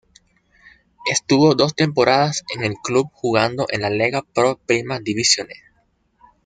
Estuvo dos temporadas en el club jugando en la Lega Pro Prima Divisione.